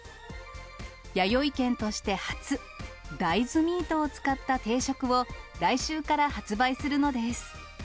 やよい軒として初、大豆ミートを使った定食を、来週から発売するのです。